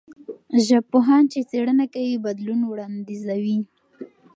ژبپوهان چې څېړنه کوي، بدلون وړاندیزوي.